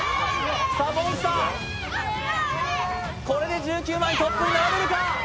モンスター、これで１９枚トップになれるか？